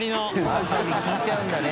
ワサビ効いちゃうんだね。